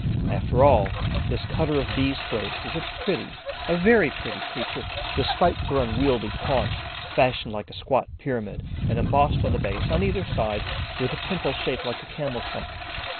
After all, this cutter of Bees' throats is a pretty, a very pretty creature, despite her unwieldy paunch fashioned like a squat pyramid and embossed on the base, on either side, with a pimple shaped like a camel's hump.